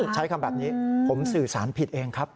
ใช้คำแบบนี้ผมสื่อสารผิดเองครับ